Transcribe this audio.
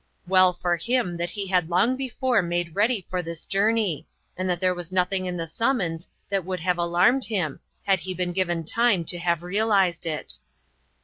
Well for him that he had long before made ready for this journe} r , and that there was nothing in the summons that would have alarmed him, had he been given time to have realized it.